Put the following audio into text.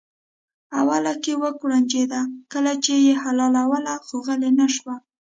اوله کې وکوړنجېده کله چې یې حلالاوه خو غلی نه شو.